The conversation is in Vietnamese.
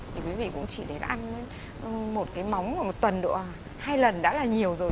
thì quý vị cũng chỉ để ăn một cái móng một tuần độ hai lần đã là nhiều rồi